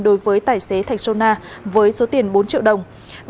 đối với tài xế thạch sôna với số tiền bốn triệu đồng